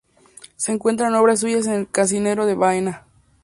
Se encuentran obras suyas en el "Cancionero de Baena".